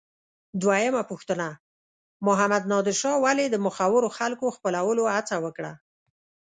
دویمه پوښتنه: محمد نادر شاه ولې د مخورو خلکو خپلولو هڅه وکړه؟